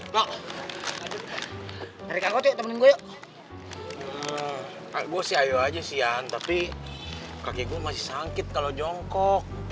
pak gue sih ayo aja sih yan tapi kaki gue masih sangkit kalau jongkok